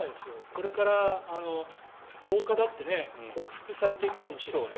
これから老化だって克服されていくかもしれない。